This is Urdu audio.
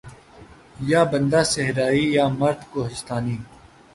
یا بندہ صحرائی یا مرد کہستانی